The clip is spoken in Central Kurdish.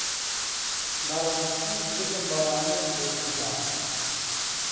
بەڕاستی زگم بەوانەش دەسووتا.